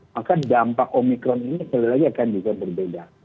maka dampak omikron ini sekali lagi akan juga berbeda